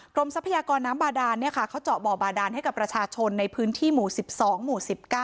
ทรัพยากรน้ำบาดานเขาเจาะบ่อบาดานให้กับประชาชนในพื้นที่หมู่๑๒หมู่๑๙